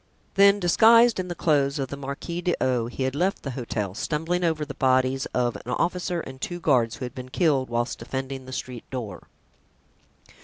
Then, disguised in the clothes of the Marquis d'O——, he had left the hotel, stumbling over the bodies of an officer and two guards who had been killed whilst defending the street door.